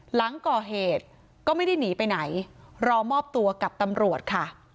หลังก่อเหตุก็ไม่ได้หนีไปไหนรอมอบตัวกับตำรวจค่ะ